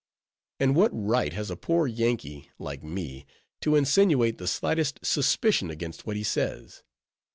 And what right has a poor Yankee, like me, to insinuate the slightest suspicion against what he says?